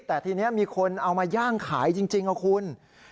แต่ทีนี้มีคนเอามาย่างขายจริงครับคุณ